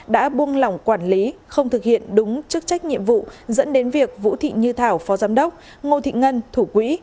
đã buông lỏng quản lý không thực hiện đúng chức trách nhiệm vụ dẫn đến việc vũ thị như thảo phó giám đốc ngô thị ngân thủ quỹ